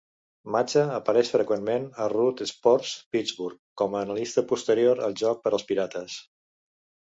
Macha apareix freqüentment a Root Sports Pittsburgh com a analista posterior al joc per als Pirates.